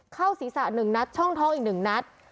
เข้าศีรษะ๑นัดช่องท้องอีก๑นัด